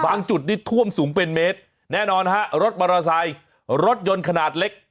จุดนี้ท่วมสูงเป็นเมตรแน่นอนฮะรถมอเตอร์ไซค์รถยนต์ขนาดเล็ก